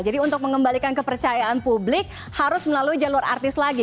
jadi untuk mengembalikan kepercayaan publik harus melalui jalur artis lagi